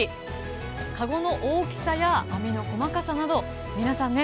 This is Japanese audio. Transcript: かごの大きさや網の細かさなど皆さんね